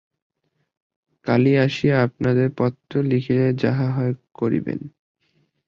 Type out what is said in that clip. কালী আসিয়া আপনাদের পত্র লিখিলে যাহা হয় করিবেন।